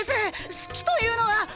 好きというのは！